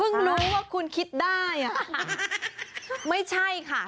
รู้ว่าคุณคิดได้อ่ะไม่ใช่ค่ะ